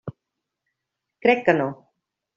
Crec que no.